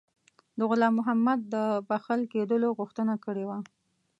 د غلام محمد د بخښل کېدلو غوښتنه کړې وه.